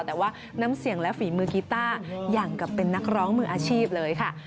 แต่ว่าน้ำเสียงและฝีมือกีต้าอย่างกับเป็นนักร้องมืออาชีพเลยค่ะ